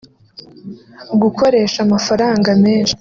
Gukoresha amafaranga menshi